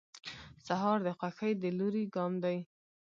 سهار د خوښۍ د لوري ګام دی.